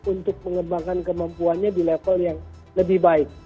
untuk mengembangkan kemampuannya di level yang lebih baik